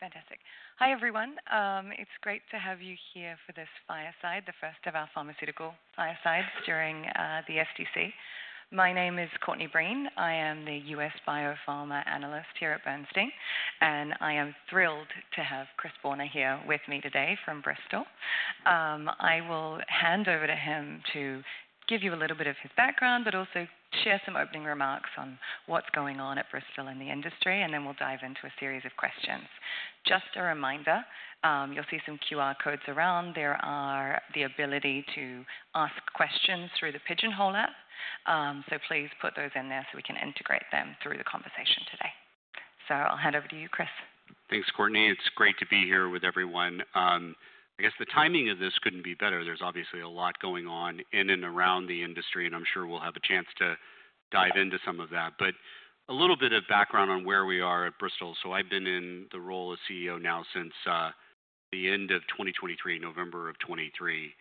Fantastic. Hi, everyone. It's great to have you here for this fireside, the first of our pharmaceutical firesides during the FTC. My name is Courtney Breen. I am the U.S. Biopharma analyst here at Bernstein, and I am thrilled to have Chris Boerner here with me today from Bristol. I will hand over to him to give you a little bit of his background, but also share some opening remarks on what's going on at Bristol in the industry, and then we'll dive into a series of questions. Just a reminder, you'll see some QR codes around. There is the ability to ask questions through the Pigeonhole app, so please put those in there so we can integrate them through the conversation today. I'll hand over to you, Chris. Thanks, Courtney. It's great to be here with everyone. I guess the timing of this couldn't be better. There's obviously a lot going on in and around the industry, and I'm sure we'll have a chance to dive into some of that. A little bit of background on where we are at Bristol. I've been in the role of CEO now since the end of 2023, November of 2023.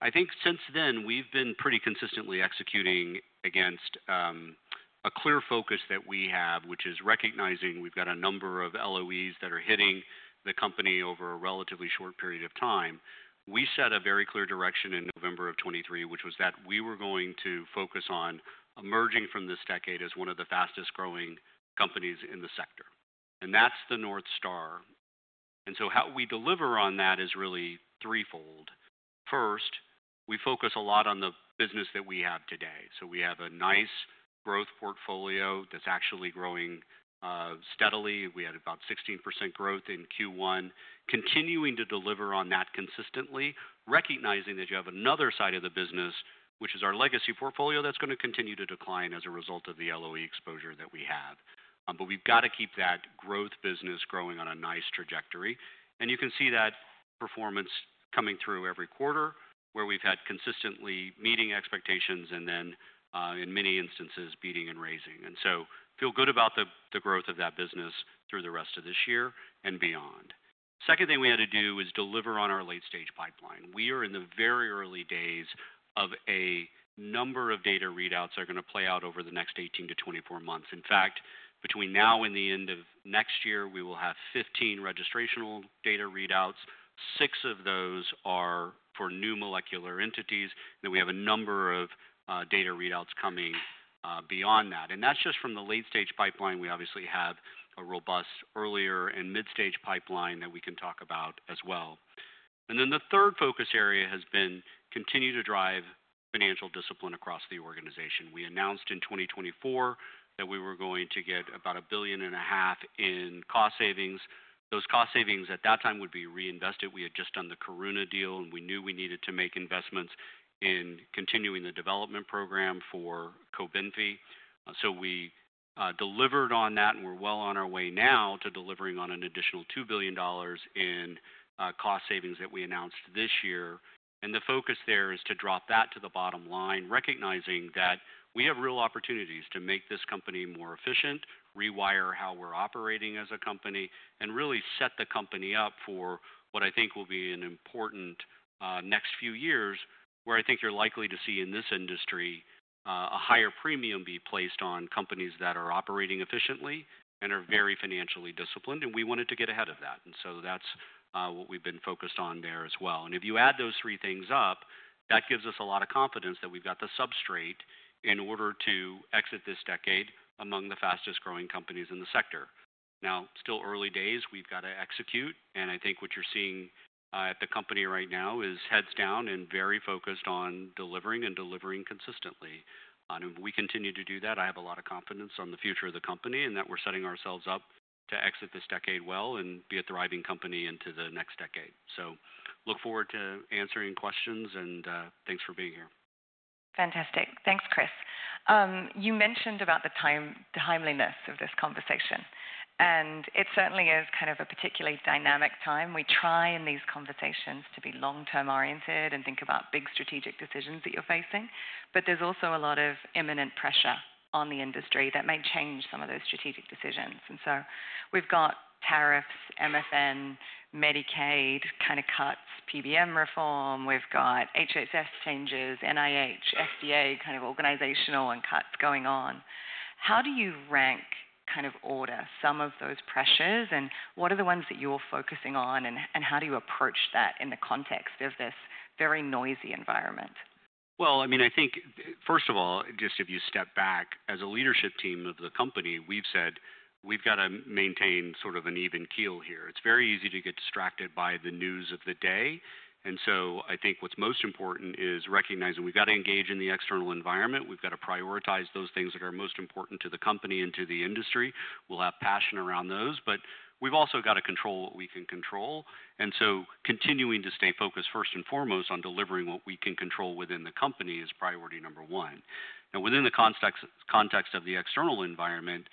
I think since then, we've been pretty consistently executing against a clear focus that we have, which is recognizing we've got a number of LOEs that are hitting the company over a relatively short period of time. We set a very clear direction in November of 2023, which was that we were going to focus on emerging from this decade as one of the fastest-growing companies in the sector. That's the North Star. How we deliver on that is really threefold. First, we focus a lot on the business that we have today. We have a nice growth portfolio that is actually growing steadily. We had about 16% growth in Q1, continuing to deliver on that consistently, recognizing that you have another side of the business, which is our legacy portfolio that is going to continue to decline as a result of the LOE exposure that we have. We have to keep that growth business growing on a nice trajectory. You can see that performance coming through every quarter, where we have consistently met expectations and then, in many instances, beaten and raised. I feel good about the growth of that business through the rest of this year and beyond. The second thing we have to do is deliver on our late-stage pipeline. We are in the very early days of a number of data readouts that are going to play out over the next 18 to 24 months. In fact, between now and the end of next year, we will have 15 registrational data readouts. Six of those are for new molecular entities, and then we have a number of data readouts coming beyond that. That is just from the late-stage pipeline. We obviously have a robust earlier and mid-stage pipeline that we can talk about as well. The third focus area has been continuing to drive financial discipline across the organization. We announced in 2024 that we were going to get about $1.5 billion in cost savings. Those cost savings at that time would be reinvested. We had just done the Karuna deal, and we knew we needed to make investments in continuing the development program for COBENFY. We delivered on that, and we're well on our way now to delivering on an additional $2 billion in cost savings that we announced this year. The focus there is to drop that to the bottom line, recognizing that we have real opportunities to make this company more efficient, rewire how we're operating as a company, and really set the company up for what I think will be an important next few years, where I think you're likely to see in this industry a higher premium be placed on companies that are operating efficiently and are very financially disciplined. We wanted to get ahead of that. That's what we've been focused on there as well. If you add those three things up, that gives us a lot of confidence that we've got the substrate in order to exit this decade among the fastest-growing companies in the sector. It is still early days. We've got to execute. I think what you're seeing at the company right now is heads down and very focused on delivering and delivering consistently. We continue to do that. I have a lot of confidence on the future of the company and that we're setting ourselves up to exit this decade well and be a thriving company into the next decade. I look forward to answering questions, and thanks for being here. Fantastic. Thanks, Chris. You mentioned about the timeliness of this conversation, and it certainly is kind of a particularly dynamic time. We try in these conversations to be long-term oriented and think about big strategic decisions that you're facing. There is also a lot of imminent pressure on the industry that may change some of those strategic decisions. We have tariffs, MFN, Medicaid kind of cuts, PBM reform. We have HHS changes, NIH, FDA kind of organizational and cuts going on. How do you rank kind of order some of those pressures, and what are the ones that you're focusing on, and how do you approach that in the context of this very noisy environment? I mean, I think, first of all, just if you step back, as a leadership team of the company, we've said we've got to maintain sort of an even keel here. It's very easy to get distracted by the news of the day. I think what's most important is recognizing we've got to engage in the external environment. We've got to prioritize those things that are most important to the company and to the industry. We'll have passion around those, but we've also got to control what we can control. Continuing to stay focused, first and foremost, on delivering what we can control within the company is priority number one. Now, within the context of the external environment,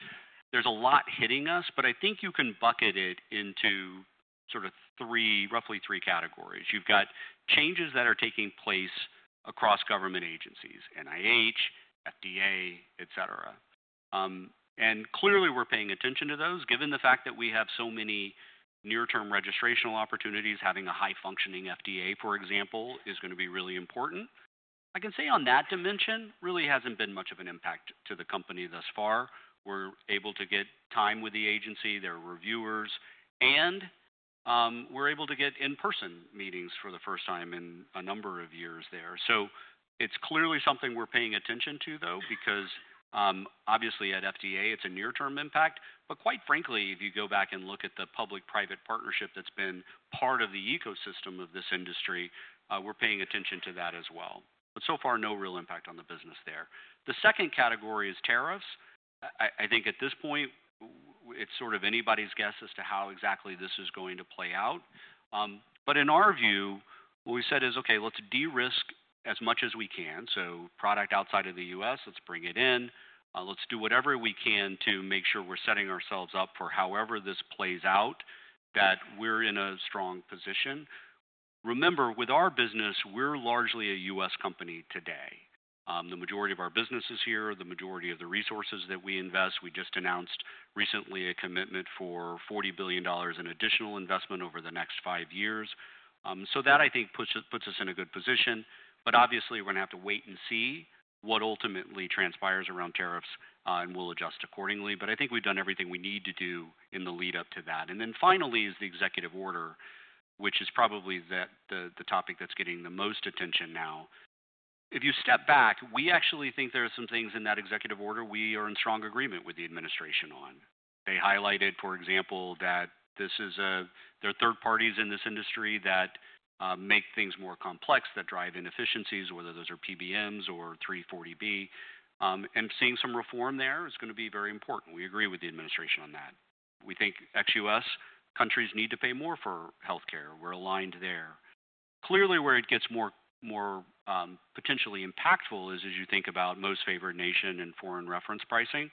there's a lot hitting us, but I think you can bucket it into sort of three, roughly three categories. You've got changes that are taking place across government agencies, NIH, FDA, et cetera. Clearly, we're paying attention to those, given the fact that we have so many near-term registrational opportunities. Having a high-functioning FDA, for example, is going to be really important. I can say on that dimension, really hasn't been much of an impact to the company thus far. We're able to get time with the agency, their reviewers, and we're able to get in-person meetings for the first time in a number of years there. It's clearly something we're paying attention to, though, because obviously at FDA, it's a near-term impact. Quite frankly, if you go back and look at the public-private partnership that's been part of the ecosystem of this industry, we're paying attention to that as well. So far, no real impact on the business there. The second category is tariffs. I think at this point, it's sort of anybody's guess as to how exactly this is going to play out. In our view, what we said is, okay, let's de-risk as much as we can. Product outside of the U.S., let's bring it in. Let's do whatever we can to make sure we're setting ourselves up for however this plays out, that we're in a strong position. Remember, with our business, we're largely a U.S. company today. The majority of our business is here. The majority of the resources that we invest. We just announced recently a commitment for $40 billion in additional investment over the next five years. That, I think, puts us in a good position. Obviously, we're going to have to wait and see what ultimately transpires around tariffs, and we'll adjust accordingly. I think we've done everything we need to do in the lead-up to that. Finally, the executive order is probably the topic that's getting the most attention now. If you step back, we actually think there are some things in that executive order we are in strong agreement with the administration on. They highlighted, for example, that there are third parties in this industry that make things more complex, that drive inefficiencies, whether those are PBMs or 340B. Seeing some reform there is going to be very important. We agree with the administration on that. We think ex-US countries need to pay more for healthcare. We're aligned there. Clearly, where it gets more potentially impactful is as you think about most favored nation and foreign reference pricing.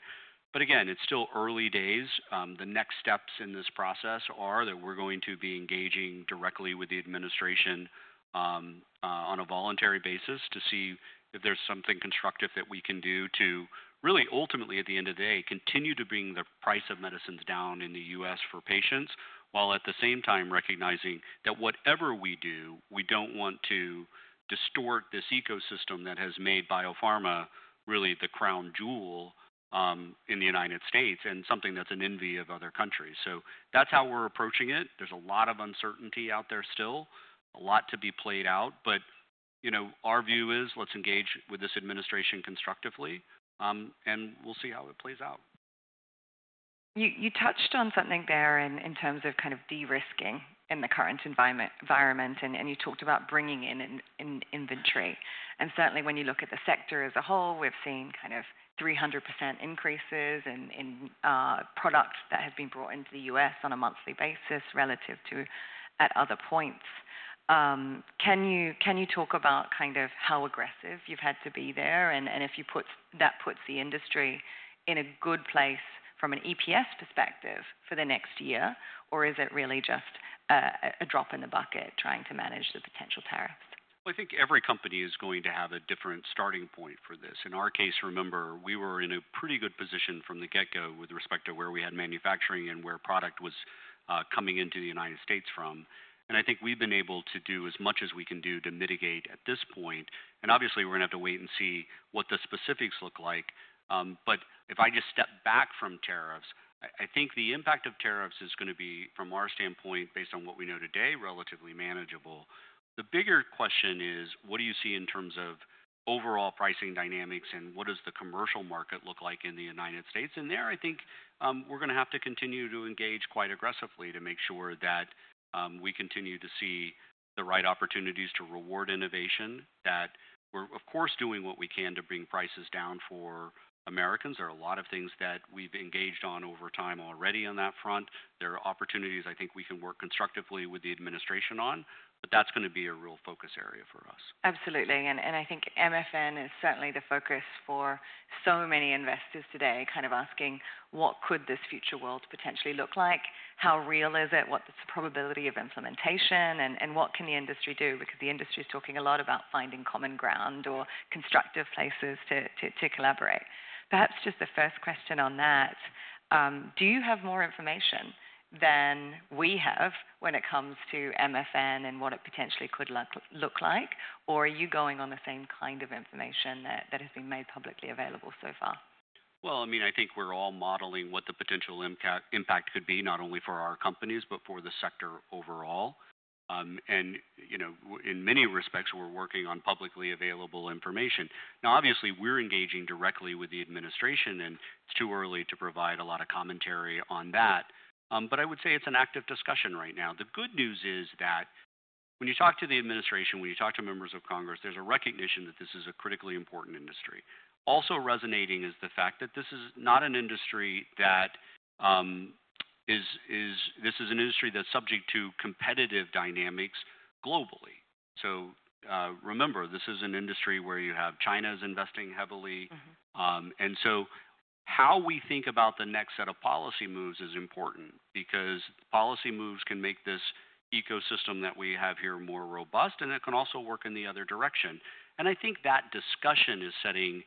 Again, it's still early days. The next steps in this process are that we're going to be engaging directly with the administration on a voluntary basis to see if there's something constructive that we can do to really, ultimately, at the end of the day, continue to bring the price of medicines down in the U.S. for patients, while at the same time recognizing that whatever we do, we don't want to distort this ecosystem that has made biopharma really the crown jewel in the United States and something that's an envy of other countries. That's how we're approaching it. There's a lot of uncertainty out there still, a lot to be played out. Our view is let's engage with this administration constructively, and we'll see how it plays out. You touched on something there in terms of kind of de-risking in the current environment, and you talked about bringing in inventory. Certainly, when you look at the sector as a whole, we've seen kind of 300% increases in product that has been brought into the US on a monthly basis relative to at other points. Can you talk about kind of how aggressive you've had to be there? If you put that, does it put the industry in a good place from an EPS perspective for the next year, or is it really just a drop in the bucket trying to manage the potential tariffs? I think every company is going to have a different starting point for this. In our case, remember, we were in a pretty good position from the get-go with respect to where we had manufacturing and where product was coming into the United States from. I think we've been able to do as much as we can do to mitigate at this point. Obviously, we're going to have to wait and see what the specifics look like. If I just step back from tariffs, I think the impact of tariffs is going to be, from our standpoint, based on what we know today, relatively manageable. The bigger question is, what do you see in terms of overall pricing dynamics, and what does the commercial market look like in the United States? There, I think we're going to have to continue to engage quite aggressively to make sure that we continue to see the right opportunities to reward innovation, that we're, of course, doing what we can to bring prices down for Americans. There are a lot of things that we've engaged on over time already on that front. There are opportunities I think we can work constructively with the administration on, but that's going to be a real focus area for us. Absolutely. I think MFN is certainly the focus for so many investors today, kind of asking what could this future world potentially look like, how real is it, what's the probability of implementation, and what can the industry do? Because the industry is talking a lot about finding common ground or constructive places to collaborate. Perhaps just the first question on that, do you have more information than we have when it comes to MFN and what it potentially could look like, or are you going on the same kind of information that has been made publicly available so far? I mean, I think we're all modeling what the potential impact could be, not only for our companies, but for the sector overall. In many respects, we're working on publicly available information. Now, obviously, we're engaging directly with the administration, and it's too early to provide a lot of commentary on that. I would say it's an active discussion right now. The good news is that when you talk to the administration, when you talk to members of Congress, there's a recognition that this is a critically important industry. Also resonating is the fact that this is not an industry that is—this is an industry that's subject to competitive dynamics globally. Remember, this is an industry where you have China's investing heavily. How we think about the next set of policy moves is important because policy moves can make this ecosystem that we have here more robust, and it can also work in the other direction. I think that discussion is setting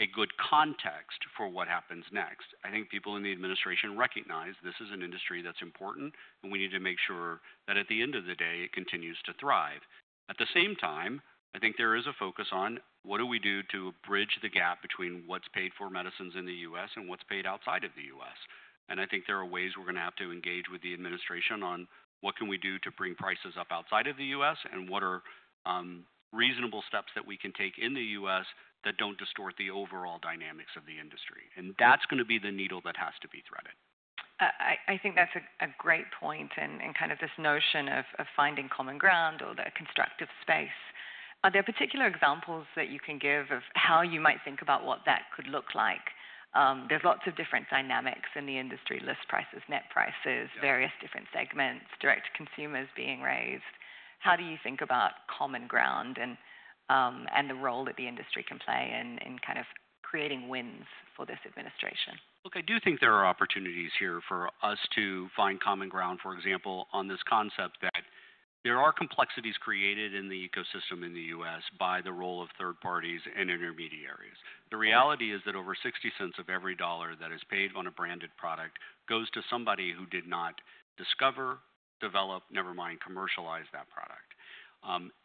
a good context for what happens next. I think people in the administration recognize this is an industry that's important, and we need to make sure that at the end of the day, it continues to thrive. At the same time, I think there is a focus on what do we do to bridge the gap between what's paid for medicines in the U.S. and what's paid outside of the U.S. I think there are ways we're going to have to engage with the administration on what can we do to bring prices up outside of the U.S. and what are reasonable steps that we can take in the U.S. that don't distort the overall dynamics of the industry. That's going to be the needle that has to be threaded. I think that's a great point and kind of this notion of finding common ground or the constructive space. Are there particular examples that you can give of how you might think about what that could look like? There's lots of different dynamics in the industry: list prices, net prices, various different segments, direct consumers being raised. How do you think about common ground and the role that the industry can play in kind of creating wins for this administration? Look, I do think there are opportunities here for us to find common ground, for example, on this concept that there are complexities created in the ecosystem in the U.S. by the role of third parties and intermediaries. The reality is that over 60% of every dollar that is paid on a branded product goes to somebody who did not discover, develop, never mind commercialize that product.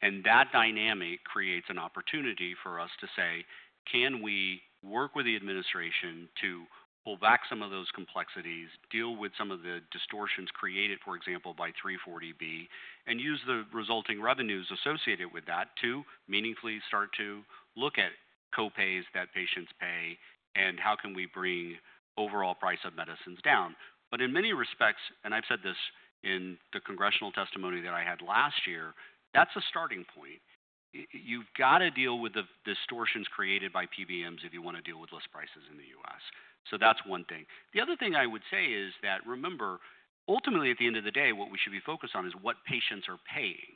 That dynamic creates an opportunity for us to say, can we work with the administration to pull back some of those complexities, deal with some of the distortions created, for example, by 340B, and use the resulting revenues associated with that to meaningfully start to look at copays that patients pay and how can we bring overall price of medicines down? In many respects, and I've said this in the congressional testimony that I had last year, that's a starting point. You've got to deal with the distortions created by PBMs if you want to deal with list prices in the US. That's one thing. The other thing I would say is that, remember, ultimately, at the end of the day, what we should be focused on is what patients are paying.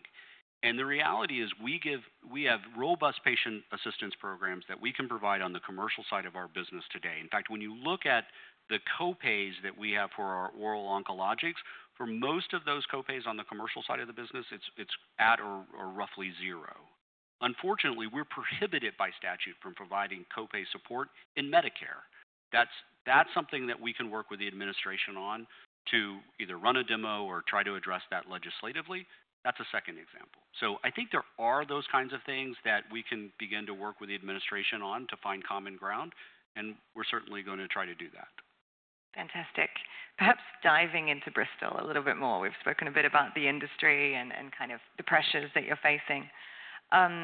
The reality is we have robust patient assistance programs that we can provide on the commercial side of our business today. In fact, when you look at the copays that we have for our oral oncologics, for most of those copays on the commercial side of the business, it's at or roughly zero. Unfortunately, we're prohibited by statute from providing copay support in Medicare. That's something that we can work with the administration on to either run a demo or try to address that legislatively. That's a second example. I think there are those kinds of things that we can begin to work with the administration on to find common ground, and we're certainly going to try to do that. Fantastic. Perhaps diving into Bristol a little bit more. We've spoken a bit about the industry and kind of the pressures that you're facing.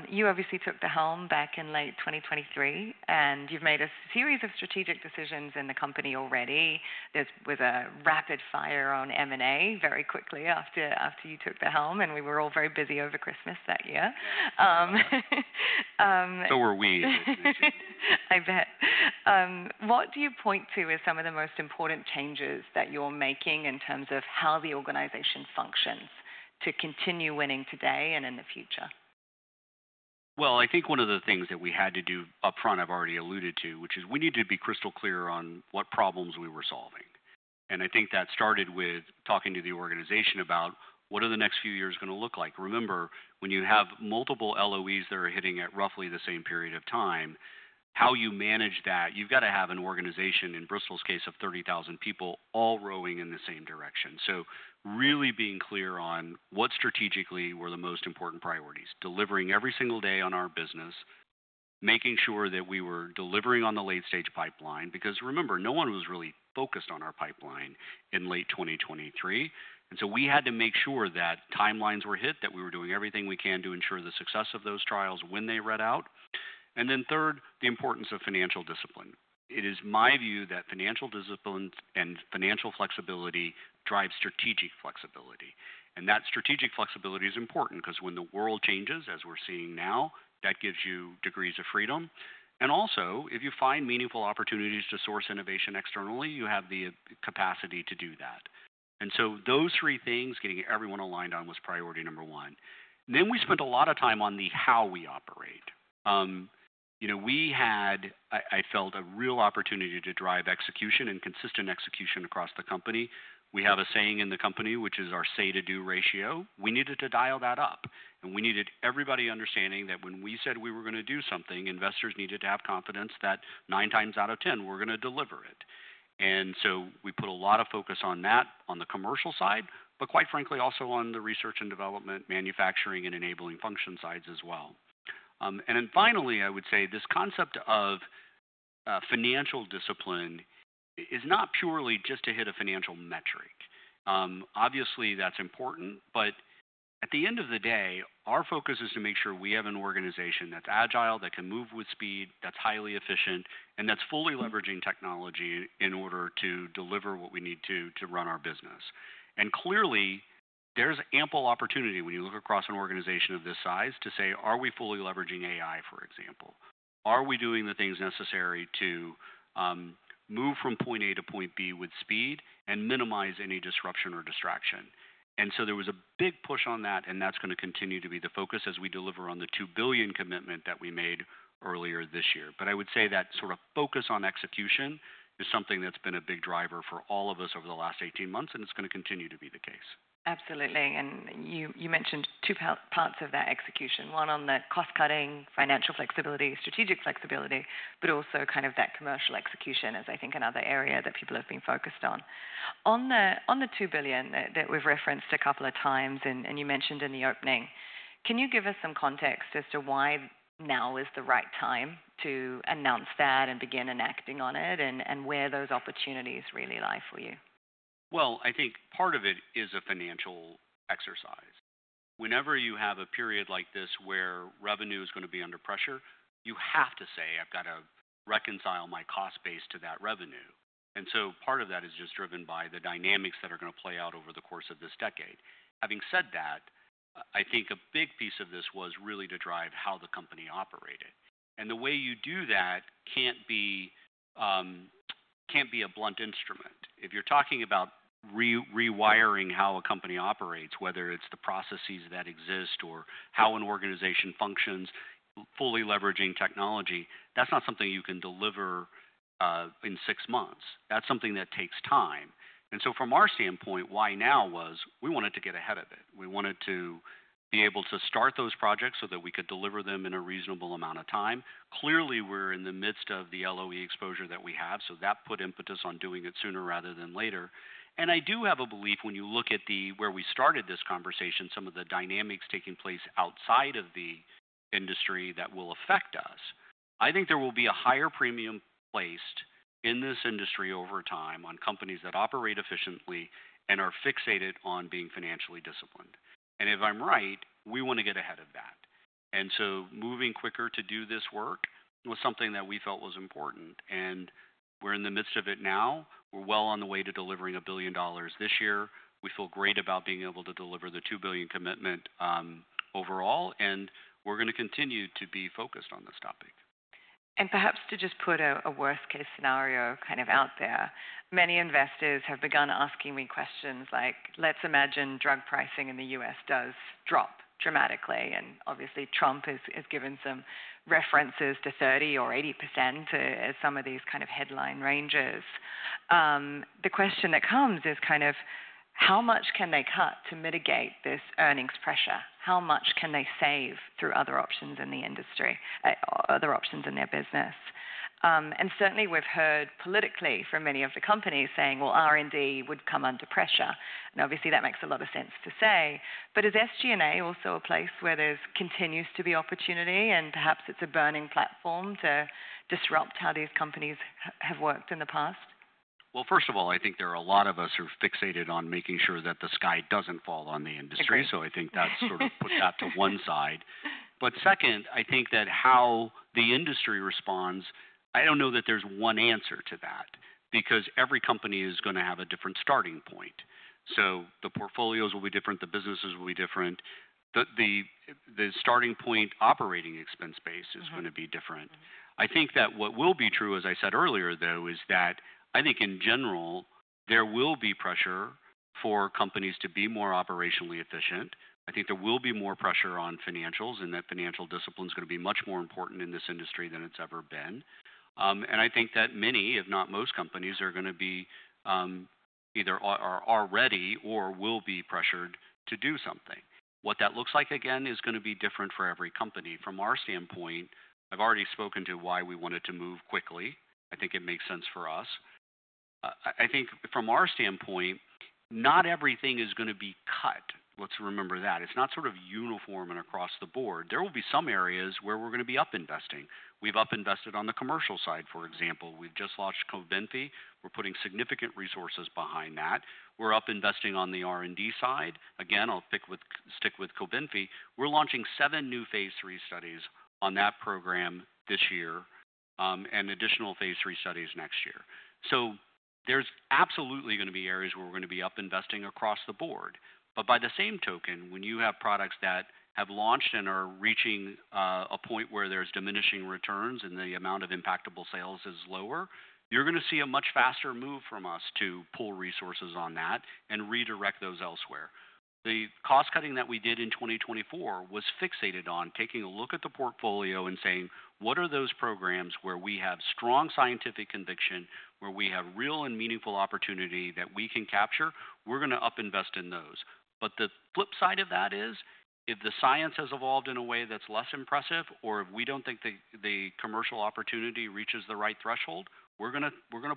You obviously took the helm back in late 2023, and you've made a series of strategic decisions in the company already. There was a rapid fire on M&A very quickly after you took the helm, and we were all very busy over Christmas that year. Were we. I bet. What do you point to as some of the most important changes that you're making in terms of how the organization functions to continue winning today and in the future? I think one of the things that we had to do upfront, I've already alluded to, which is we need to be crystal clear on what problems we were solving. I think that started with talking to the organization about what are the next few years going to look like. Remember, when you have multiple LOEs that are hitting at roughly the same period of time, how you manage that, you've got to have an organization, in Bristol's case of 30,000 people, all rowing in the same direction. Really being clear on what strategically were the most important priorities, delivering every single day on our business, making sure that we were delivering on the late-stage pipeline, because remember, no one was really focused on our pipeline in late 2023. We had to make sure that timelines were hit, that we were doing everything we can to ensure the success of those trials when they read out. Third, the importance of financial discipline. It is my view that financial discipline and financial flexibility drive strategic flexibility. That strategic flexibility is important because when the world changes, as we are seeing now, that gives you degrees of freedom. Also, if you find meaningful opportunities to source innovation externally, you have the capacity to do that. Those three things, getting everyone aligned on, was priority number one. We spent a lot of time on how we operate. I felt a real opportunity to drive execution and consistent execution across the company. We have a saying in the company, which is our say-to-do ratio. We needed to dial that up. We needed everybody understanding that when we said we were going to do something, investors needed to have confidence that nine times out of ten, we are going to deliver it. We put a lot of focus on that, on the commercial side, but quite frankly, also on the research and development, manufacturing, and enabling function sides as well. Finally, I would say this concept of financial discipline is not purely just to hit a financial metric. Obviously, that is important, but at the end of the day, our focus is to make sure we have an organization that is agile, that can move with speed, that is highly efficient, and that is fully leveraging technology in order to deliver what we need to to run our business. Clearly, there's ample opportunity when you look across an organization of this size to say, are we fully leveraging AI, for example? Are we doing the things necessary to move from point A to point B with speed and minimize any disruption or distraction? There was a big push on that, and that's going to continue to be the focus as we deliver on the $2 billion commitment that we made earlier this year. I would say that sort of focus on execution is something that's been a big driver for all of us over the last 18 months, and it's going to continue to be the case. Absolutely. You mentioned two parts of that execution, one on the cost-cutting, financial flexibility, strategic flexibility, but also kind of that commercial execution is, I think, another area that people have been focused on. On the $2 billion that we've referenced a couple of times, and you mentioned in the opening, can you give us some context as to why now is the right time to announce that and begin enacting on it and where those opportunities really lie for you? I think part of it is a financial exercise. Whenever you have a period like this where revenue is going to be under pressure, you have to say, I've got to reconcile my cost base to that revenue. Part of that is just driven by the dynamics that are going to play out over the course of this decade. Having said that, I think a big piece of this was really to drive how the company operated. The way you do that cannot be a blunt instrument. If you're talking about rewiring how a company operates, whether it's the processes that exist or how an organization functions, fully leveraging technology, that's not something you can deliver in six months. That is something that takes time. From our standpoint, why now was we wanted to get ahead of it. We wanted to be able to start those projects so that we could deliver them in a reasonable amount of time. Clearly, we're in the midst of the LOE exposure that we have, so that put impetus on doing it sooner rather than later. I do have a belief when you look at where we started this conversation, some of the dynamics taking place outside of the industry that will affect us, I think there will be a higher premium placed in this industry over time on companies that operate efficiently and are fixated on being financially disciplined. If I'm right, we want to get ahead of that. Moving quicker to do this work was something that we felt was important. We're in the midst of it now. We're well on the way to delivering a billion dollars this year. We feel great about being able to deliver the $2 billion commitment overall, and we're going to continue to be focused on this topic. Perhaps to just put a worst-case scenario kind of out there, many investors have begun asking me questions like, let's imagine drug pricing in the U.S. does drop dramatically. Obviously, Trump has given some references to 30% or 80% as some of these kind of headline ranges. The question that comes is kind of how much can they cut to mitigate this earnings pressure? How much can they save through other options in the industry, other options in their business? Certainly, we've heard politically from many of the companies saying, well, R&D would come under pressure. Obviously, that makes a lot of sense to say. Is SG&A also a place where there continues to be opportunity, and perhaps it's a burning platform to disrupt how these companies have worked in the past? First of all, I think there are a lot of us who are fixated on making sure that the sky does not fall on the industry. I think that is sort of put that to one side. Second, I think that how the industry responds, I do not know that there is one answer to that because every company is going to have a different starting point. The portfolios will be different. The businesses will be different. The starting point operating expense base is going to be different. I think that what will be true, as I said earlier, though, is that I think in general, there will be pressure for companies to be more operationally efficient. I think there will be more pressure on financials, and that financial discipline is going to be much more important in this industry than it has ever been. I think that many, if not most companies, are going to be either already or will be pressured to do something. What that looks like, again, is going to be different for every company. From our standpoint, I've already spoken to why we wanted to move quickly. I think it makes sense for us. I think from our standpoint, not everything is going to be cut. Let's remember that. It's not sort of uniform and across the board. There will be some areas where we're going to be up investing. We've up invested on the commercial side, for example. We've just launched COBENFY. We're putting significant resources behind that. We're up investing on the R&D side. Again, I'll stick with COBENFY. We're launching seven new phase three studies on that program this year and additional phase three studies next year. There is absolutely going to be areas where we are going to be up investing across the board. By the same token, when you have products that have launched and are reaching a point where there is diminishing returns and the amount of impactable sales is lower, you are going to see a much faster move from us to pull resources on that and redirect those elsewhere. The cost cutting that we did in 2024 was fixated on taking a look at the portfolio and saying, what are those programs where we have strong scientific conviction, where we have real and meaningful opportunity that we can capture? We are going to up invest in those. The flip side of that is if the science has evolved in a way that's less impressive or if we don't think the commercial opportunity reaches the right threshold, we're going to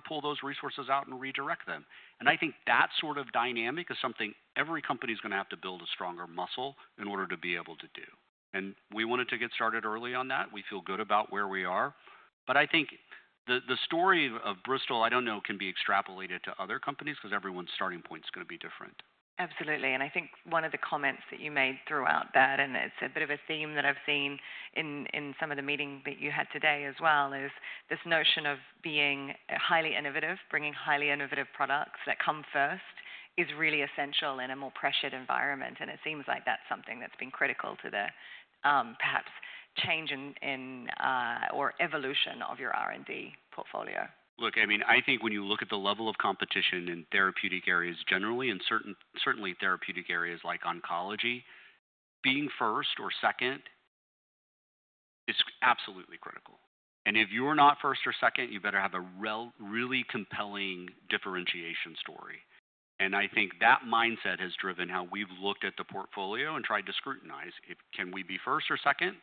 pull those resources out and redirect them. I think that sort of dynamic is something every company is going to have to build a stronger muscle in order to be able to do. We wanted to get started early on that. We feel good about where we are. I think the story of Bristol, I don't know, can be extrapolated to other companies because everyone's starting point is going to be different. Absolutely. I think one of the comments that you made throughout that, and it's a bit of a theme that I've seen in some of the meeting that you had today as well, is this notion of being highly innovative, bringing highly innovative products that come first is really essential in a more pressured environment. It seems like that's something that's been critical to the perhaps change in or evolution of your R&D portfolio. Look, I mean, I think when you look at the level of competition in therapeutic areas generally, and certainly therapeutic areas like oncology, being first or second is absolutely critical. If you're not first or second, you better have a really compelling differentiation story. I think that mindset has driven how we've looked at the portfolio and tried to scrutinize. Can we be first or second?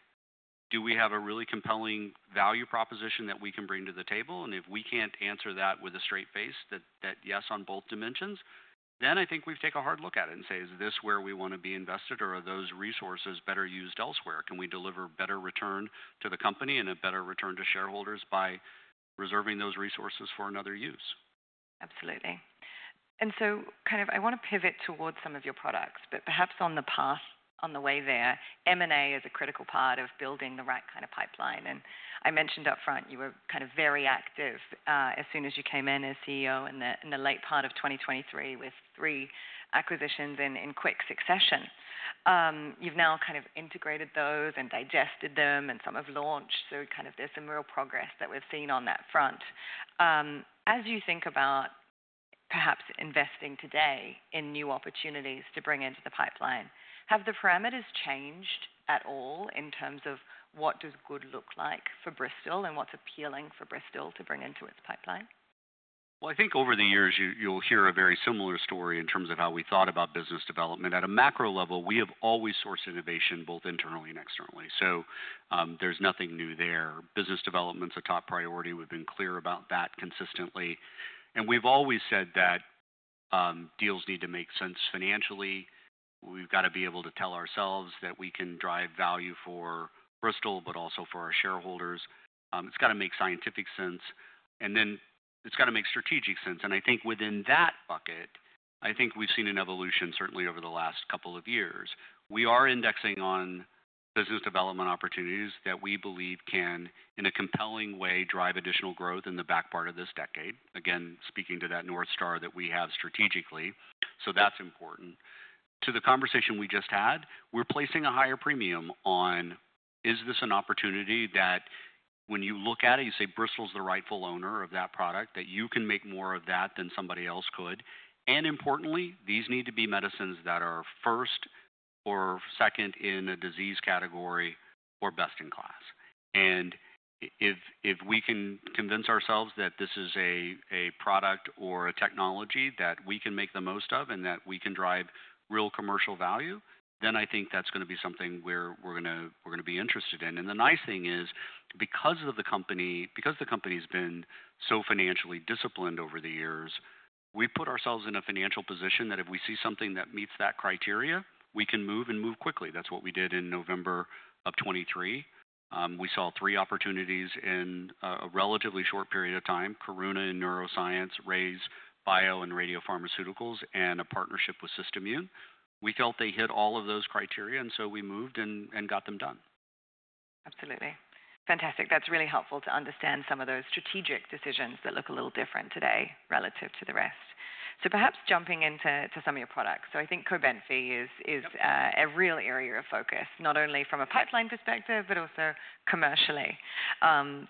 Do we have a really compelling value proposition that we can bring to the table? If we can't answer that with a straight face, that yes on both dimensions, then I think we've taken a hard look at it and say, is this where we want to be invested or are those resources better used elsewhere? Can we deliver better return to the company and a better return to shareholders by reserving those resources for another use? Absolutely. I want to pivot towards some of your products, but perhaps on the path, on the way there, M&A is a critical part of building the right kind of pipeline. I mentioned upfront you were very active as soon as you came in as CEO in the late part of 2023 with three acquisitions in quick succession. You've now integrated those and digested them and some have launched. There is some real progress that we've seen on that front. As you think about perhaps investing today in new opportunities to bring into the pipeline, have the parameters changed at all in terms of what does good look like for Bristol and what's appealing for Bristol to bring into its pipeline? I think over the years, you'll hear a very similar story in terms of how we thought about business development. At a macro level, we have always sourced innovation both internally and externally. There's nothing new there. Business development's a top priority. We've been clear about that consistently. We've always said that deals need to make sense financially. We've got to be able to tell ourselves that we can drive value for Bristol, but also for our shareholders. It's got to make scientific sense. It's got to make strategic sense. I think within that bucket, we've seen an evolution certainly over the last couple of years. We are indexing on business development opportunities that we believe can, in a compelling way, drive additional growth in the back part of this decade. Again, speaking to that North Star that we have strategically. That is important. To the conversation we just had, we're placing a higher premium on, is this an opportunity that when you look at it, you say Bristol's the rightful owner of that product, that you can make more of that than somebody else could. Importantly, these need to be medicines that are first or second in a disease category or best in class. If we can convince ourselves that this is a product or a technology that we can make the most of and that we can drive real commercial value, then I think that is going to be something we're going to be interested in. The nice thing is because of the company, because the company's been so financially disciplined over the years, we've put ourselves in a financial position that if we see something that meets that criteria, we can move and move quickly. That's what we did in November of 2023. We saw three opportunities in a relatively short period of time, Karuna in neuroscience, RayzeBio in radiopharmaceuticals, and a partnership with SystImmune. We felt they hit all of those criteria, and so we moved and got them done. Absolutely. Fantastic. That's really helpful to understand some of those strategic decisions that look a little different today relative to the rest. Perhaps jumping into some of your products. I think COBENFY is a real area of focus, not only from a pipeline perspective, but also commercially.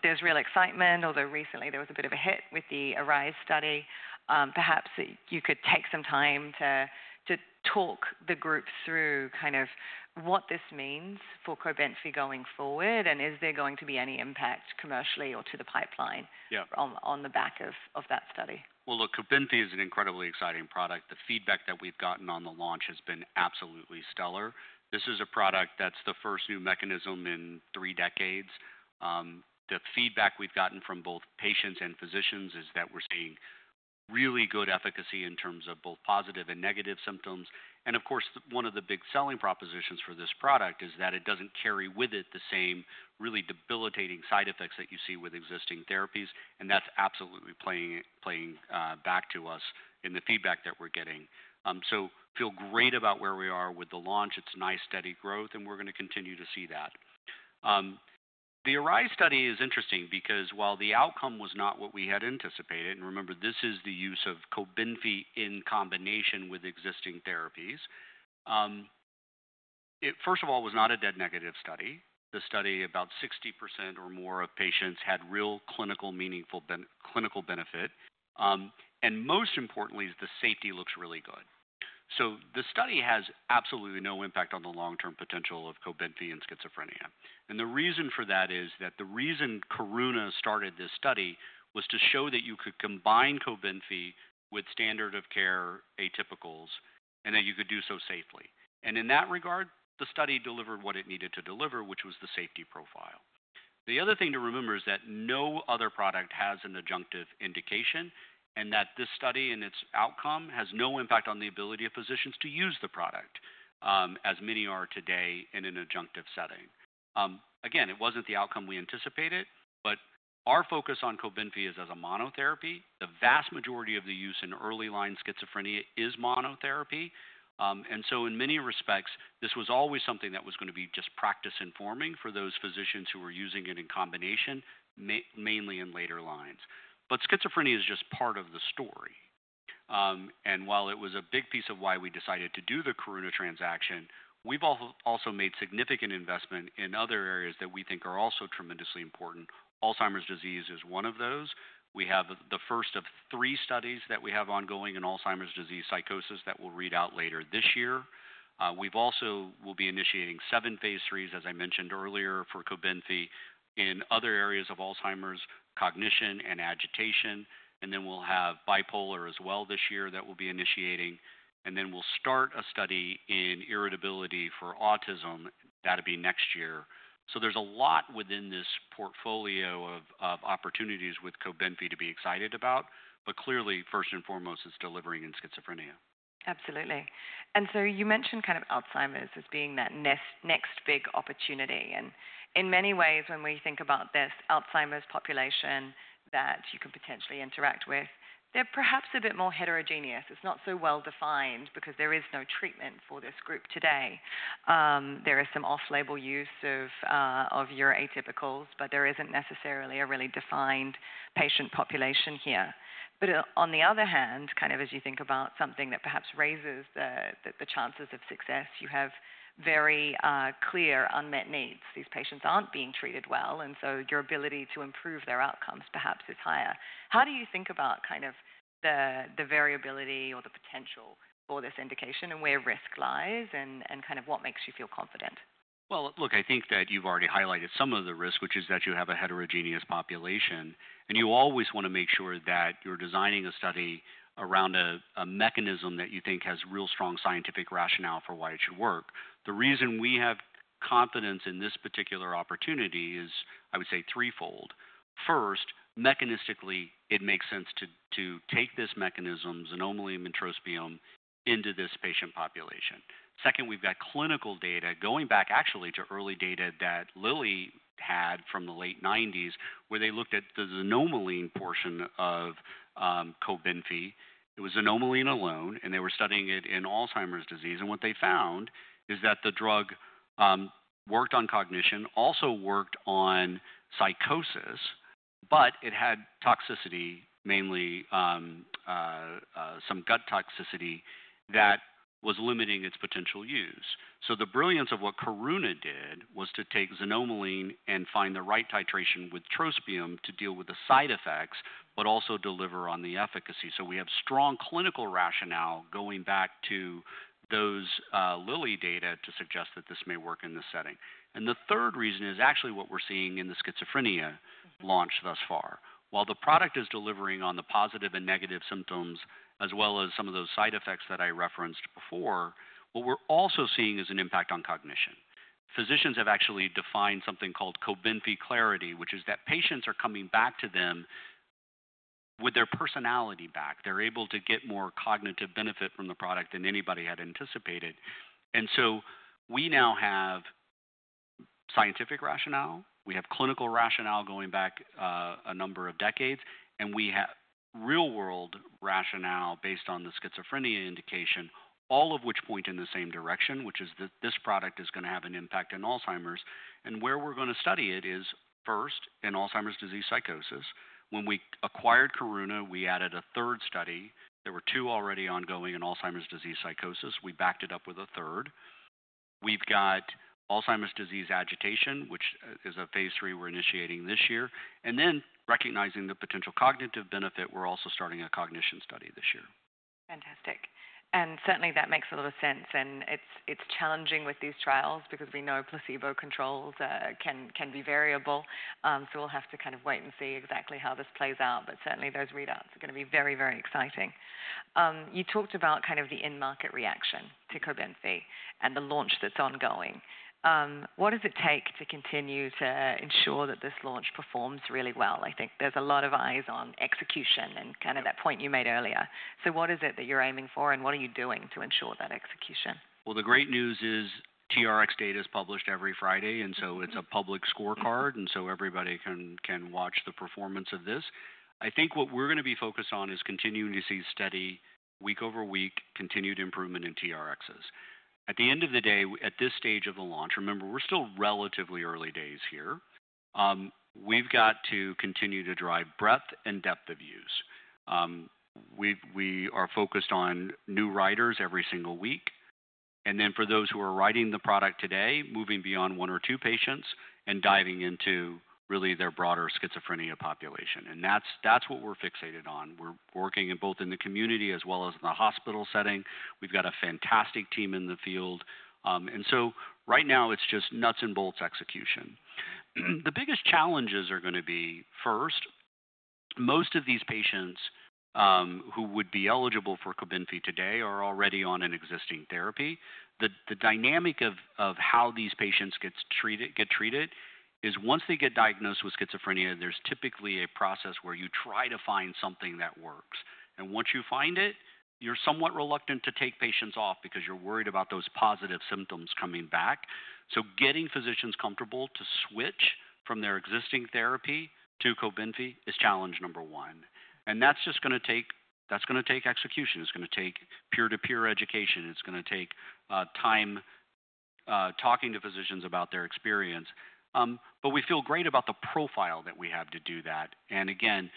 There's real excitement, although recently there was a bit of a hit with the ARISE study. Perhaps you could take some time to talk the group through kind of what this means for COBENFY going forward, and is there going to be any impact commercially or to the pipeline on the back of that study? Look, COBENFY is an incredibly exciting product. The feedback that we've gotten on the launch has been absolutely stellar. This is a product that's the first new mechanism in three decades. The feedback we've gotten from both patients and physicians is that we're seeing really good efficacy in terms of both positive and negative symptoms. Of course, one of the big selling propositions for this product is that it doesn't carry with it the same really debilitating side effects that you see with existing therapies, and that's absolutely playing back to us in the feedback that we're getting. I feel great about where we are with the launch. It's nice, steady growth, and we're going to continue to see that. The ARISE study is interesting because while the outcome was not what we had anticipated, and remember, this is the use of COBENFY in combination with existing therapies. First of all, it was not a dead negative study. The study, about 60% or more of patients had real clinical benefit. Most importantly, the safety looks really good. The study has absolutely no impact on the long-term potential of COBENFY in schizophrenia. The reason for that is that the reason Karuna started this study was to show that you could combine COBENFY with standard of care atypicals and that you could do so safely. In that regard, the study delivered what it needed to deliver, which was the safety profile. The other thing to remember is that no other product has an adjunctive indication and that this study and its outcome has no impact on the ability of physicians to use the product, as many are today in an adjunctive setting. Again, it wasn't the outcome we anticipated, but our focus on COBENFY is as a monotherapy. The vast majority of the use in early line schizophrenia is monotherapy. In many respects, this was always something that was going to be just practice-informing for those physicians who were using it in combination, mainly in later lines. Schizophrenia is just part of the story. While it was a big piece of why we decided to do the Karuna transaction, we've also made significant investment in other areas that we think are also tremendously important. Alzheimer's disease is one of those. We have the first of three studies that we have ongoing in Alzheimer's disease psychosis that will read out later this year. We also will be initiating seven phase threes, as I mentioned earlier, for COBENFY in other areas of Alzheimer's, cognition and agitation. We will have bipolar as well this year that we will be initiating. We will start a study in irritability for autism. That will be next year. There is a lot within this portfolio of opportunities with COBENFY to be excited about, but clearly, first and foremost, it is delivering in schizophrenia. Absolutely. You mentioned kind of Alzheimer's as being that next big opportunity. In many ways, when we think about this Alzheimer's population that you can potentially interact with, they're perhaps a bit more heterogeneous. It's not so well defined because there is no treatment for this group today. There is some off-label use of your atypicals, but there isn't necessarily a really defined patient population here. On the other hand, kind of as you think about something that perhaps raises the chances of success, you have very clear unmet needs. These patients aren't being treated well, and your ability to improve their outcomes perhaps is higher. How do you think about kind of the variability or the potential for this indication and where risk lies and what makes you feel confident? I think that you've already highlighted some of the risk, which is that you have a heterogeneous population, and you always want to make sure that you're designing a study around a mechanism that you think has real strong scientific rationale for why it should work. The reason we have confidence in this particular opportunity is, I would say, threefold. First, mechanistically, it makes sense to take this mechanism, xanomeline and trospium, into this patient population. Second, we've got clinical data going back actually to early data that Lilly had from the late 1990s where they looked at the xanomeline portion of COBENFY. It was xanomeline alone, and they were studying it in Alzheimer's disease. What they found is that the drug worked on cognition, also worked on psychosis, but it had toxicity, mainly some gut toxicity that was limiting its potential use. The brilliance of what Karuna did was to take xanomeline and find the right titration with trospium to deal with the side effects, but also deliver on the efficacy. We have strong clinical rationale going back to those Lilly data to suggest that this may work in this setting. The third reason is actually what we are seeing in the schizophrenia launch thus far. While the product is delivering on the positive and negative symptoms, as well as some of those side effects that I referenced before, what we are also seeing is an impact on cognition. Physicians have actually defined something called COBENFY clarity, which is that patients are coming back to them with their personality back. They are able to get more cognitive benefit from the product than anybody had anticipated. We now have scientific rationale. We have clinical rationale going back a number of decades, and we have real-world rationale based on the schizophrenia indication, all of which point in the same direction, which is that this product is going to have an impact in Alzheimer's. Where we're going to study it is first in Alzheimer's disease psychosis. When we acquired Karuna, we added a third study. There were two already ongoing in Alzheimer's disease psychosis. We backed it up with a third. We've got Alzheimer's disease agitation, which is a phase 3 we're initiating this year. Recognizing the potential cognitive benefit, we're also starting a cognition study this year. Fantastic. That makes a lot of sense. It is challenging with these trials because we know placebo controls can be variable. We will have to kind of wait and see exactly how this plays out. Certainly those readouts are going to be very, very exciting. You talked about kind of the in-market reaction to COBENFY and the launch that is ongoing. What does it take to continue to ensure that this launch performs really well? I think there are a lot of eyes on execution and kind of that point you made earlier. What is it that you are aiming for and what are you doing to ensure that execution? The great news is TRX data is published every Friday, and so it is a public scorecard, and so everybody can watch the performance of this. I think what we are going to be focused on is continuing to see steady, week over week, continued improvement in TRXs. At the end of the day, at this stage of the launch, remember, we are still relatively early days here. We have got to continue to drive breadth and depth of use. We are focused on new riders every single week. For those who are riding the product today, moving beyond one or two patients and diving into really their broader schizophrenia population. That is what we are fixated on. We are working both in the community as well as in the hospital setting. We have got a fantastic team in the field. Right now, it is just nuts and bolts execution. The biggest challenges are going to be first, most of these patients who would be eligible for COBENFY today are already on an existing therapy. The dynamic of how these patients get treated is once they get diagnosed with schizophrenia, there's typically a process where you try to find something that works. Once you find it, you're somewhat reluctant to take patients off because you're worried about those positive symptoms coming back. Getting physicians comfortable to switch from their existing therapy to COBENFY is challenge number one. That's just going to take execution. It's going to take peer-to-peer education. It's going to take time talking to physicians about their experience. We feel great about the profile that we have to do that. Again,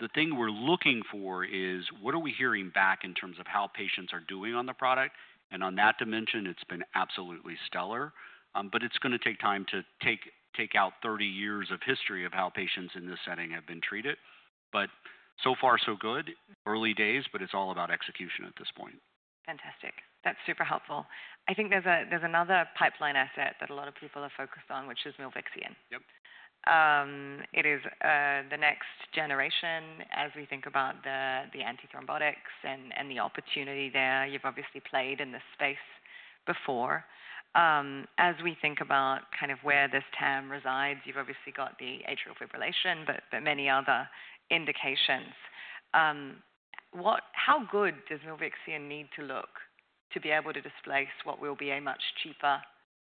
the thing we're looking for is what are we hearing back in terms of how patients are doing on the product? On that dimension, it's been absolutely stellar. It is going to take time to take out 30 years of history of how patients in this setting have been treated. So far, so good. Early days, but it's all about execution at this point. Fantastic. That's super helpful. I think there's another pipeline asset that a lot of people are focused on, which is Milvexian. It is the next generation as we think about the antithrombotics and the opportunity there. You've obviously played in this space before. As we think about kind of where this term resides, you've obviously got the atrial fibrillation, but many other indications. How good does Milvexian need to look to be able to displace what will be a much cheaper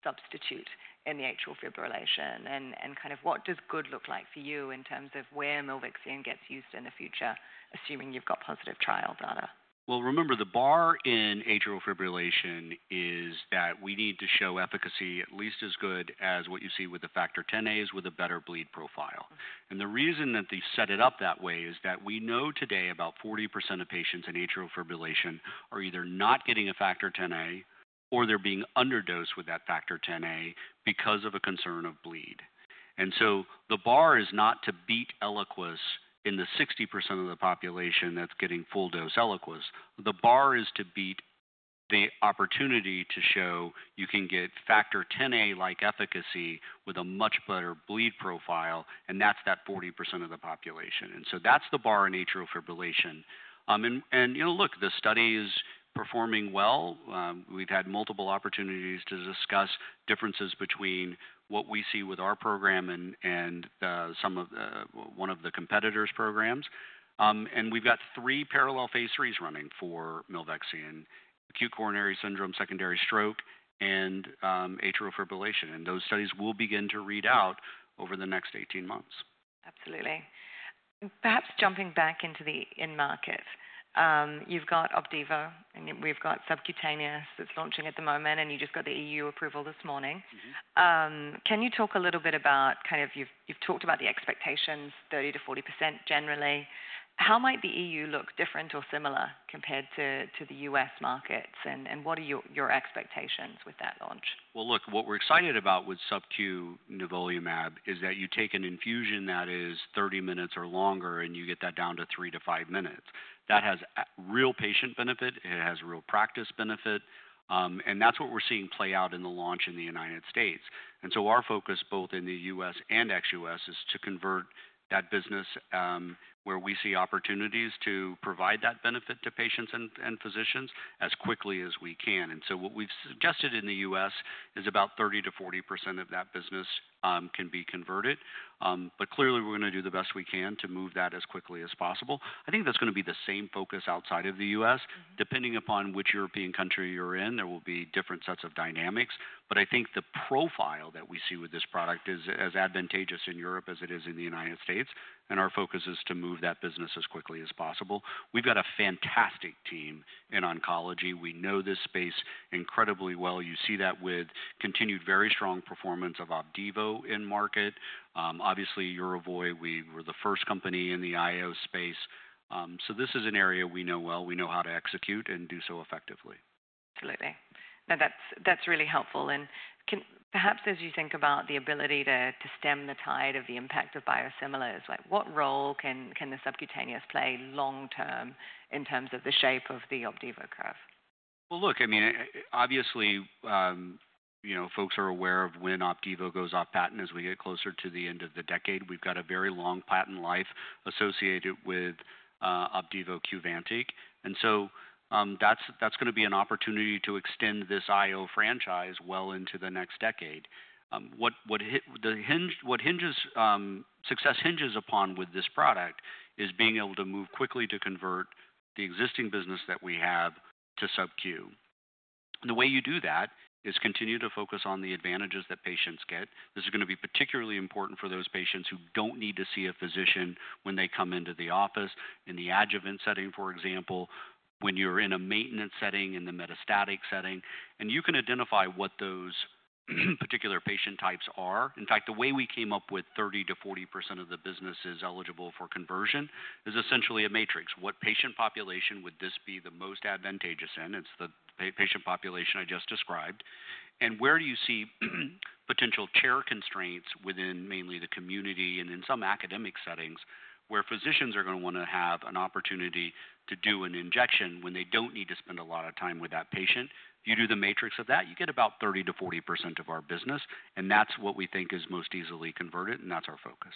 substitute in the atrial fibrillation? And kind of what does good look like for you in terms of where Milvexian gets used in the future, assuming you've got positive trial data? Remember, the bar in atrial fibrillation is that we need to show efficacy at least as good as what you see with the Factor Xa with a better bleed profile. The reason that they set it up that way is that we know today about 40% of patients in atrial fibrillation are either not getting a Factor Xa or they're being underdosed with that Factor Xa because of a concern of bleed. The bar is not to beat ELIQUIS in the 60% of the population that's getting full-dose ELIQUIS. The bar is to beat the opportunity to show you can get Factor Xa-like efficacy with a much better bleed profile, and that's that 40% of the population. That's the bar in atrial fibrillation. Look, the study is performing well. We've had multiple opportunities to discuss differences between what we see with our program and one of the competitors' programs. We've got three parallel phase threes running for Milvexian: acute coronary syndrome, secondary stroke, and atrial fibrillation. Those studies will begin to read out over the next 18 months. Absolutely. Perhaps jumping back into the in-market, you've got Opdivo, and we've got Subcutaneous that's launching at the moment, and you just got the EU approval this morning. Can you talk a little bit about kind of you've talked about the expectations, 30-40% generally. How might the EU look different or similar compared to the U.S. markets? What are your expectations with that launch? Look, what we're excited about with SubQ-Nivolumab is that you take an infusion that is 30 minutes or longer, and you get that down to three to five minutes. That has real patient benefit. It has real practice benefit. That is what we're seeing play out in the launch in the United States. Our focus, both in the U.S. and ex-U.S., is to convert that business where we see opportunities to provide that benefit to patients and physicians as quickly as we can. What we've suggested in the U.S. is about 30-40% of that business can be converted. Clearly, we're going to do the best we can to move that as quickly as possible. I think that is going to be the same focus outside of the U.S. Depending upon which European country you're in, there will be different sets of dynamics. I think the profile that we see with this product is as advantageous in Europe as it is in the United States. Our focus is to move that business as quickly as possible. We've got a fantastic team in oncology. We know this space incredibly well. You see that with continued very strong performance of Opdivo in market. Obviously, Yervoy, we were the first company in the IAO space. This is an area we know well. We know how to execute and do so effectively. Absolutely. No, that's really helpful. Perhaps as you think about the ability to stem the tide of the impact of biosimilars, what role can the subcutaneous play long-term in terms of the shape of the Opdivo curve? I mean, obviously, folks are aware of when Opdivo goes off patent as we get closer to the end of the decade. We've got a very long patent life associated with Opdivo Qvantiq. And so that's going to be an opportunity to extend this IAO franchise well into the next decade. What success hinges upon with this product is being able to move quickly to convert the existing business that we have to SubQ. The way you do that is continue to focus on the advantages that patients get. This is going to be particularly important for those patients who don't need to see a physician when they come into the office, in the adjuvant setting, for example, when you're in a maintenance setting, in the metastatic setting. You can identify what those particular patient types are. In fact, the way we came up with 30-40% of the business is eligible for conversion is essentially a matrix. What patient population would this be the most advantageous in? It's the patient population I just described. What you see is potential chair constraints within mainly the community and in some academic settings where physicians are going to want to have an opportunity to do an injection when they do not need to spend a lot of time with that patient. You do the matrix of that, you get about 30-40% of our business. That is what we think is most easily converted, and that is our focus.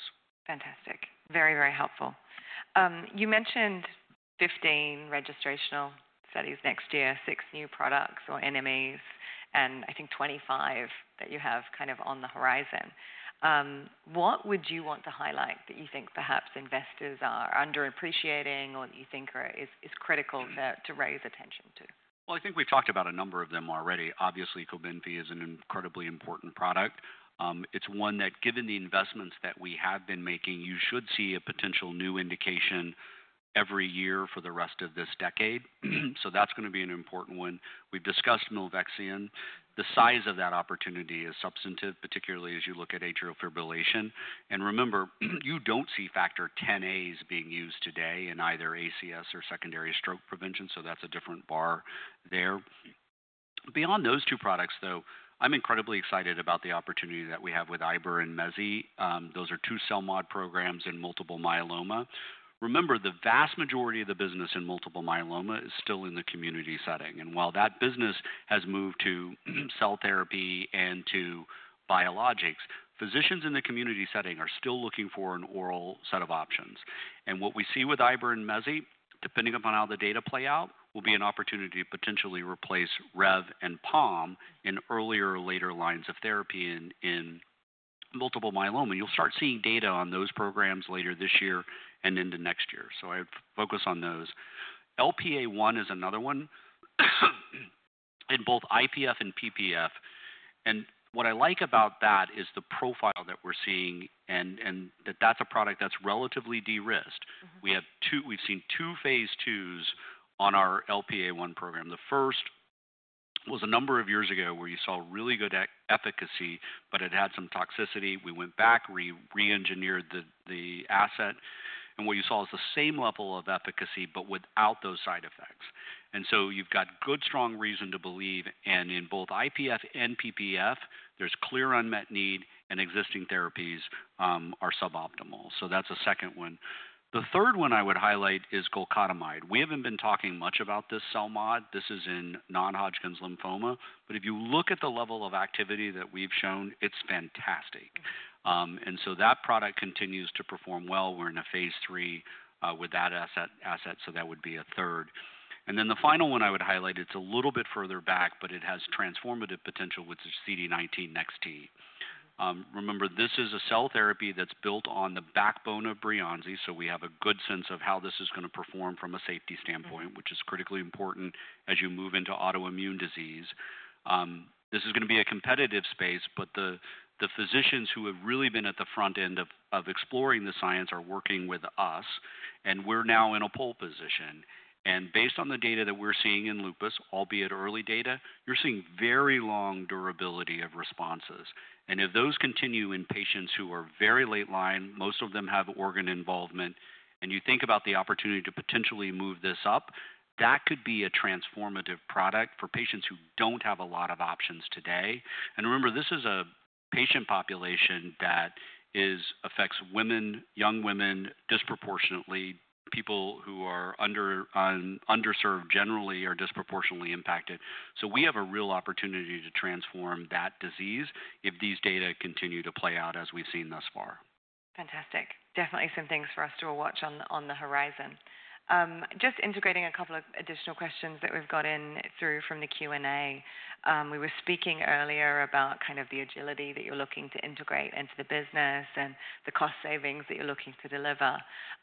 Fantastic. Very, very helpful. You mentioned 15 registrational studies next year, six new products or NMAs, and I think 25 that you have kind of on the horizon. What would you want to highlight that you think perhaps investors are underappreciating or that you think is critical to raise attention to? I think we've talked about a number of them already. Obviously, COBENFY is an incredibly important product. It's one that, given the investments that we have been making, you should see a potential new indication every year for the rest of this decade. That's going to be an important one. We've discussed Milvexian. The size of that opportunity is substantive, particularly as you look at atrial fibrillation. Remember, you don't see Factor Xa's being used today in either acute coronary syndrome or secondary stroke prevention. That's a different bar there. Beyond those two products, though, I'm incredibly excited about the opportunity that we have with Iberdomide and Mezigdomide. Those are two CELMoD programs in multiple myeloma. Remember, the vast majority of the business in multiple myeloma is still in the community setting. While that business has moved to cell therapy and to biologics, physicians in the community setting are still looking for an oral set of options. What we see with Iber and Mezzi, depending upon how the data play out, will be an opportunity to potentially replace Rev and Palm in earlier or later lines of therapy in multiple myeloma. You'll start seeing data on those programs later this year and into next year. I focus on those. LPA1 is another one in both IPF and PPF. What I like about that is the profile that we're seeing and that that's a product that's relatively de-risked. We've seen two phase twos on our LPA1 program. The first was a number of years ago where you saw really good efficacy, but it had some toxicity. We went back, re-engineered the asset. What you saw is the same level of efficacy, but without those side effects. You have good, strong reason to believe. In both IPF and PPF, there is clear unmet need, and existing therapies are suboptimal. That is a second one. The third one I would highlight is Glofitamab. We have not been talking much about this CELMoD. This is in non-Hodgkin's lymphoma. If you look at the level of activity that we have shown, it is fantastic. That product continues to perform well. We are in a phase three with that asset, so that would be a third. The final one I would highlight is a little bit further back, but it has transformative potential with CD19XT. Remember, this is a cell therapy that is built on the backbone of Breyanzi. We have a good sense of how this is going to perform from a safety standpoint, which is critically important as you move into autoimmune disease. This is going to be a competitive space, but the physicians who have really been at the front end of exploring the science are working with us. We are now in a pole position. Based on the data that we are seeing in lupus, albeit early data, you are seeing very long durability of responses. If those continue in patients who are very late line, most of them have organ involvement. You think about the opportunity to potentially move this up, that could be a transformative product for patients who do not have a lot of options today. Remember, this is a patient population that affects women, young women disproportionately. People who are underserved generally are disproportionately impacted. We have a real opportunity to transform that disease if these data continue to play out as we've seen thus far. Fantastic. Definitely some things for us to watch on the horizon. Just integrating a couple of additional questions that we've got in through from the Q&A. We were speaking earlier about kind of the agility that you're looking to integrate into the business and the cost savings that you're looking to deliver.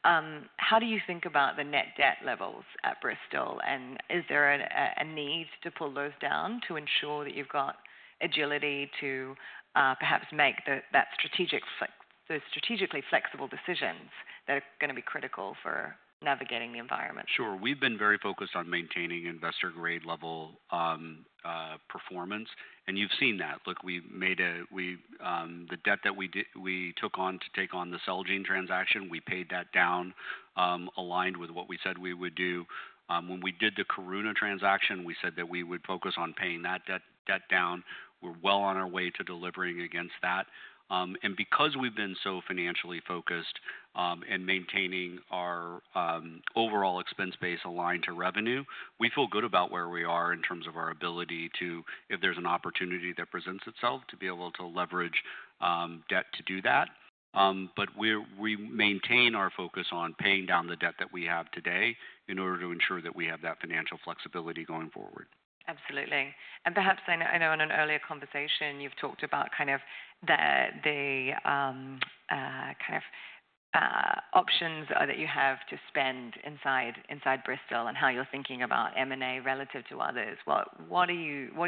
How do you think about the net debt levels at Bristol? And is there a need to pull those down to ensure that you've got agility to perhaps make those strategically flexible decisions that are going to be critical for navigating the environment? Sure. We've been very focused on maintaining investor-grade level performance. You've seen that. Look, the debt that we took on to take on the Celgene transaction, we paid that down aligned with what we said we would do. When we did the Karuna transaction, we said that we would focus on paying that debt down. We're well on our way to delivering against that. Because we've been so financially focused and maintaining our overall expense base aligned to revenue, we feel good about where we are in terms of our ability to, if there's an opportunity that presents itself, to be able to leverage debt to do that. We maintain our focus on paying down the debt that we have today in order to ensure that we have that financial flexibility going forward. Absolutely. Perhaps I know in an earlier conversation, you've talked about kind of the kind of options that you have to spend inside Bristol and how you're thinking about M&A relative to others. What are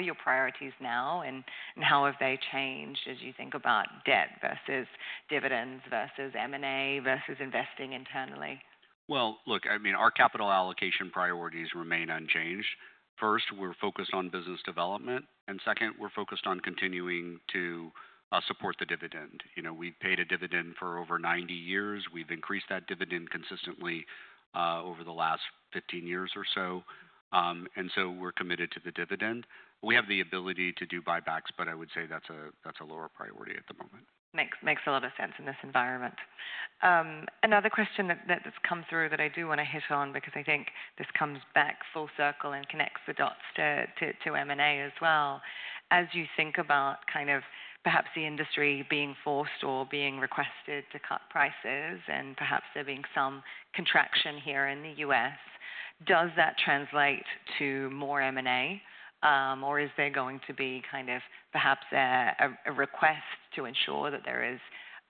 your priorities now, and how have they changed as you think about debt versus dividends versus M&A versus investing internally? I mean, our capital allocation priorities remain unchanged. First, we're focused on business development. Second, we're focused on continuing to support the dividend. We've paid a dividend for over 90 years. We've increased that dividend consistently over the last 15 years or so. We're committed to the dividend. We have the ability to do buybacks, but I would say that's a lower priority at the moment. Makes a lot of sense in this environment. Another question that's come through that I do want to hit on, because I think this comes back full circle and connects the dots to M&A as well. As you think about kind of perhaps the industry being forced or being requested to cut prices and perhaps there being some contraction here in the U.S., does that translate to more M&A? Or is there going to be kind of perhaps a request to ensure that there is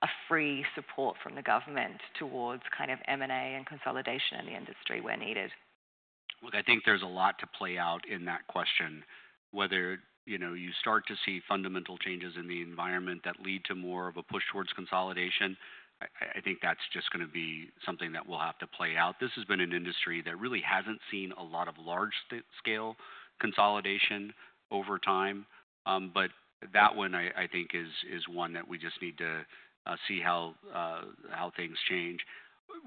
a free support from the government towards kind of M&A and consolidation in the industry where needed? Look, I think there's a lot to play out in that question. Whether you start to see fundamental changes in the environment that lead to more of a push towards consolidation, I think that's just going to be something that we'll have to play out. This has been an industry that really hasn't seen a lot of large-scale consolidation over time. That one, I think, is one that we just need to see how things change.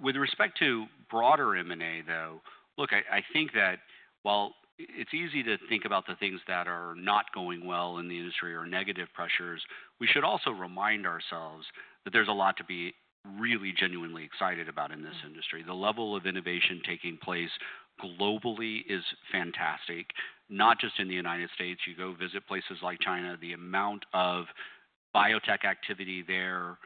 With respect to broader M&A, though, look, I think that while it's easy to think about the things that are not going well in the industry or negative pressures, we should also remind ourselves that there's a lot to be really genuinely excited about in this industry. The level of innovation taking place globally is fantastic, not just in the United States. You go visit places like China, the amount of biotech activity there,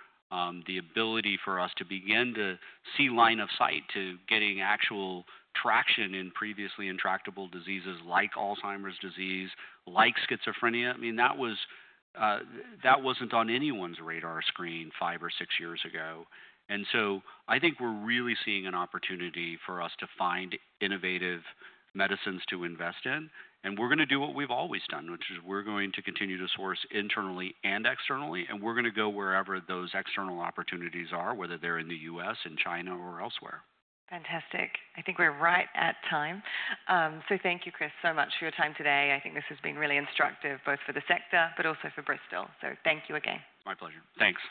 the ability for us to begin to see line of sight to getting actual traction in previously intractable diseases like Alzheimer's disease, like schizophrenia. I mean, that was not on anyone's radar screen five or six years ago. I think we are really seeing an opportunity for us to find innovative medicines to invest in. We are going to do what we have always done, which is we are going to continue to source internally and externally. We are going to go wherever those external opportunities are, whether they are in the U.S., in China, or elsewhere. Fantastic. I think we're right at time. Thank you, Chris, so much for your time today. I think this has been really instructive both for the sector, but also for Bristol. Thank you again. My pleasure. Thanks.